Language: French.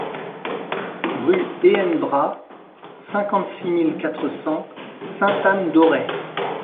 Rue Ehen Bras, cinquante-six mille quatre cents Sainte-Anne-d'Auray